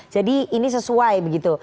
jadi ini sesuai begitu